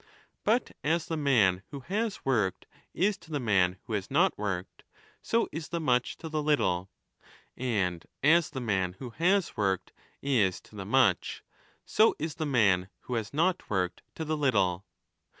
But as the man who has worked is to the man who has not worked, 5 so is the much to the little ; and as the man who has worked is to the much, so is the man who has not worked to the little.